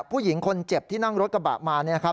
ผู้หญิงคนเจ็บที่นั่งรถกระบะมา